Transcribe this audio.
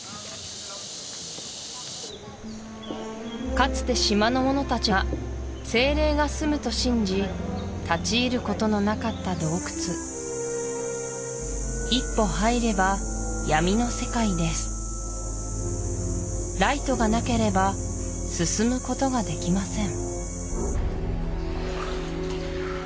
かつて島の者たちが精霊がすむと信じ立ち入ることのなかった洞窟一歩入れば闇の世界ですライトがなければ進むことができません